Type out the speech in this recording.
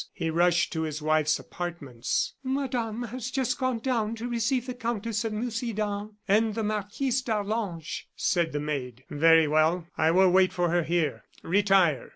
He rushed to his wife's apartments. "Madame has just gone down to receive the Countess de Mussidan and the Marquise d'Arlange," said the maid. "Very well; I will wait for her here. Retire."